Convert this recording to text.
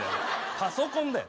パソコンだよ。